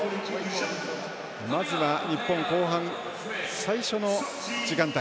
まずは日本、後半最初の時間帯。